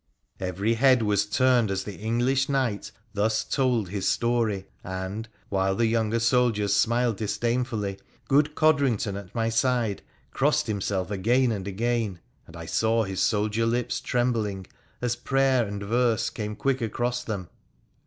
' Every head was turned as the English knight thus told his story, and, while the younger soldiers smiled disdainfully, good Codrington at my side crossed himself again and again, and I saw his soldier lips trembling as prayer and verse came quick across them.